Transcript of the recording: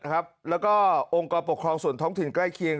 แล้วก็องค์กรปกครองส่วนท้องถิ่นใกล้เคียง